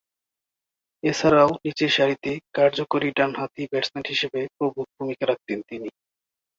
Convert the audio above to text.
এছাড়াও, নিচেরসারিতে কার্যকরী ডানহাতি ব্যাটসম্যান হিসেবে প্রভূতঃ ভূমিকা রাখতেন তিনি।